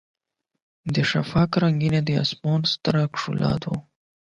د شفق رنګونه د اسمان ستره ښکلا ده.